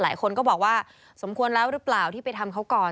หลายคนก็บอกว่าสมควรแล้วหรือเปล่าที่ไปทำเขาก่อน